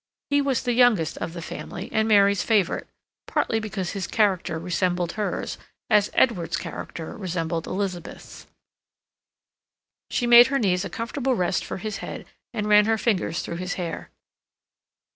He was the youngest of the family, and Mary's favorite, partly because his character resembled hers, as Edward's character resembled Elizabeth's. She made her knees a comfortable rest for his head, and ran her fingers through his hair.